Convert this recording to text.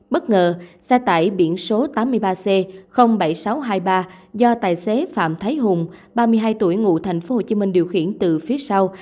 bất ngờ xe tải biển số tám mươi ba c bảy nghìn sáu trăm hai mươi ba do tài xế phạm thái hùng ba mươi hai tuổi ngụ tp hcm điều khiển từ phía sau